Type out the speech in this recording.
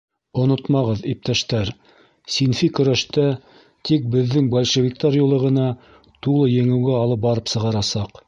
Онотмағыҙ, иптәштәр, синфи көрәштә тик беҙҙең большевиктар юлы ғына тулы еңеүгә алып барып сығарасаҡ.